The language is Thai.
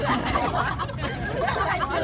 โอเค